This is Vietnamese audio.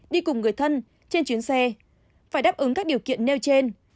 đi cùng người thân trên chuyến xe phải đáp ứng các điều kiện nêu trên